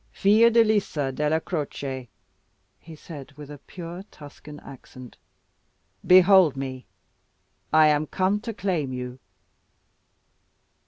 "Fiordalisa Della Croce," he said with a pure Tuscan accent, "behold me! I am come to claim you."